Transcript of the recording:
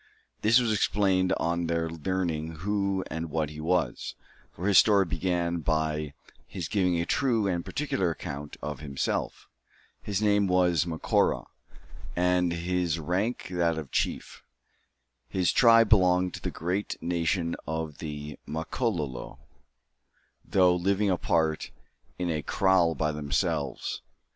This was explained on their learning who and what he was; for his story began by his giving a true and particular account of himself. His name was Macora, and his rank that of a chief. His tribe belonged to the great nation of the Makololo, though living apart, in a "kraal" by themselves.